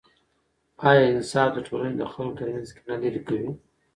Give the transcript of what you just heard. آیا انصاف د ټولنې د خلکو ترمنځ کینه لیرې کوي؟